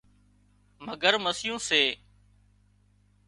مگرمسيون سي